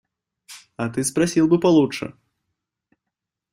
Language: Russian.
А ты спросил бы получше.